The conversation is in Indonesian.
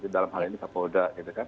dalam hal ini sapo oda